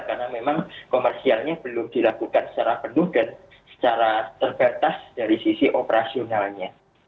karena memang komersialnya belum dilakukan secara penuh dan secara terbatas dari sisi operasionalnya